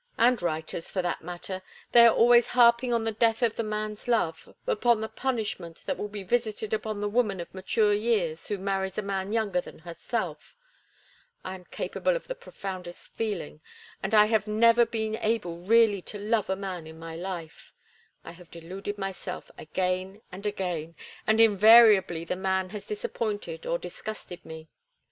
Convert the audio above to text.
"And writers, for that matter! They are always harping on the death of the man's love, upon the punishment that will be visited upon the woman of mature years who marries a man younger than herself! I am capable of the profoundest feeling, and I have never been able really to love a man in my life. I have deluded myself again and again, and invariably the man has disappointed or disgusted me.